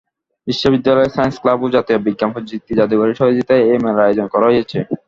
বিশ্ববিদ্যালয় science club ও জাতীয় বিজ্ঞান-প্রযুক্তি জাদুঘরের সহযোগিতায় এ মেলার আয়োজন করা হয়েছে।